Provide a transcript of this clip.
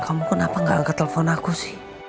kamu kenapa gak angkat telpon aku sih